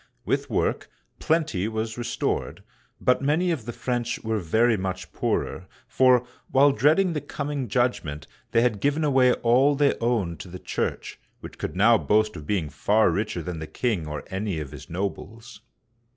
With work, plenty was restored, but many of the French were very much poorer, for, while dreading the coming judgment, they had given away all they owned to the Church, which could now boast of being far richer than the king or any of his nobles.